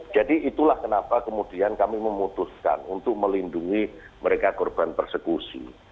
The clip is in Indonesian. jadi itulah kenapa kemudian kami memutuskan untuk melindungi mereka korban persekusi